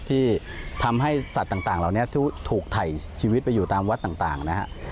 ที่ทำให้สัตว์ต่างเหล่านี้ถูกถ่ายชีวิตไปอยู่ตามวัดต่างนะฮะ